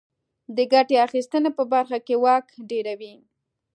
د ګټې اخیستنې په برخه کې واک ډېروي.